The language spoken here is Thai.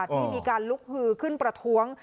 ที่มีการลุกฮือขึ้นประท้วง